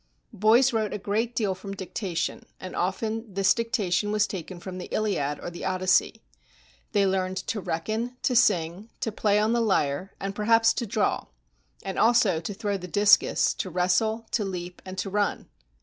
Boys wrote a great deal from dictation, and often this dicta tion was taken from the "Iliad" or the "Odyssey." They learned to reckon, to sing, to play on the lyre, and perhaps to draw; and also to throw the discus, to wrestle, to leap, and to run.